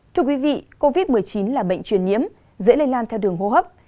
thưa quý vị covid một mươi chín là bệnh truyền nhiễm dễ lây lan theo đường hô hấp